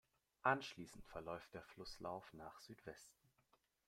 Anschließend verläuft der Flusslauf nach Südwesten.